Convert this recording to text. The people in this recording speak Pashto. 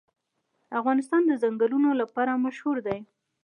افغانستان د ځنګلونه لپاره مشهور دی.